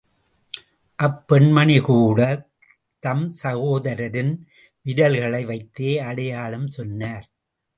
அப்பெண்மணி கூடத் தம் சகோதரரின் விரல்களை வைத்தே அடையாளம் சொன்னார்.